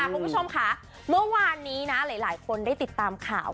คุณผู้ชมค่ะเมื่อวานนี้นะหลายคนได้ติดตามข่าว